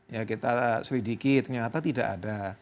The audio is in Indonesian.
ya kita selidiki ternyata tidak ada